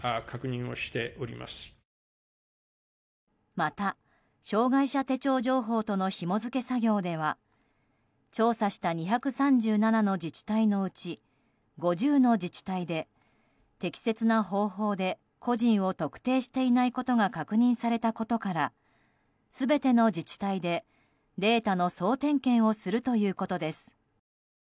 また、障害者手帳情報とのひも付け作業では調査した２３７の自治体のうち５０の自治体で適切な方法で個人を特定していないことが確認されたことから全ての自治体でデータの総点検をするということです。